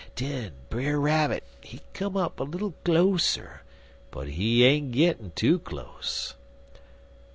Den Brer Rabbit, he come up little closer, but he ain't gittin' too close.